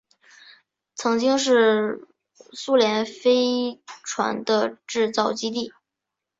曾经是苏联飞船的制造基地。